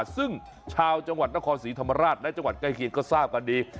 ซึ่งชาวจังหวัดนครศรีธรรมราชและจังหวัดใกล้เคียงก็ทราบกันดี